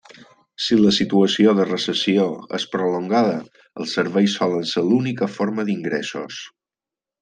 Si la situació de recessió és prolongada, els serveis solen ser l'única forma d'ingressos.